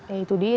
ya itu dia